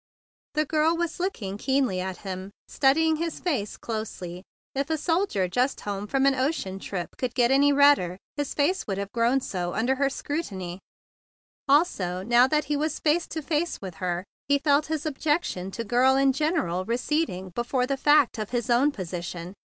The girl was looking keenly at him, studying his face closely. If a soldier just home from an ocean trip could get any redder, his face would have grown so under her scrutiny. Also, now he was face to face with her, he felt his objection to Girl in general receding before the fact of his own position.